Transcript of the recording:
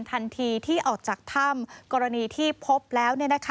ทันทีที่ออกจากถ้ำกรณีที่พบแล้ว